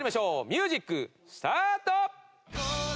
ミュージックスタート！